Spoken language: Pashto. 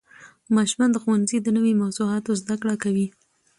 ماشومان د ښوونځي د نوې موضوعاتو زده کړه کوي